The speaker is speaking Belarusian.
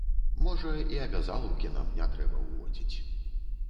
Можа, і абязалаўкі нам не трэба ўводзіць.